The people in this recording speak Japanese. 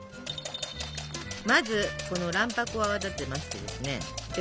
まずこの卵白を泡立てましてですねで